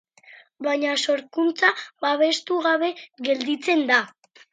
Baina sorkuntza babestu gabe gelditzen da.